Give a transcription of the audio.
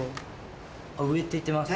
上って言ってます。